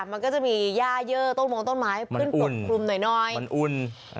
มันก็จะมีย่ายเยอะต้นมองต้นไม้มันอุ่น